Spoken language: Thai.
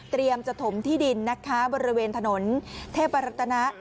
เตรียมจถมที่ดินนะคะบริเวณถนนเทปรตนะ